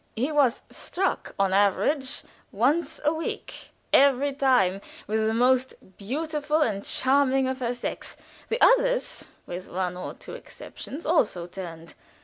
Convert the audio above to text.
He was "struck" on an average once a week, every time with the most beautiful and charming of her sex. The others, with one or two exceptions, also turned.